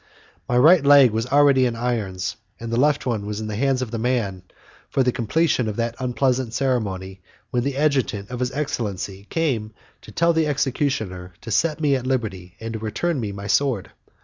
My right leg was already in irons, and the left one was in the hands of the man for the completion of that unpleasant ceremony, when the adjutant of his excellency came to tell the executioner to set me at liberty and to return me my sword.